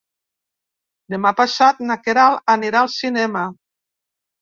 Demà passat na Queralt anirà al cinema.